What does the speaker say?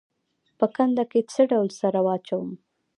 په کنده کې څه ډول سره واچوم؟